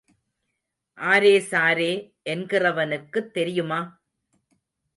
ஆரே சாரே என்கிறவனுக்குத் தெரியுமா?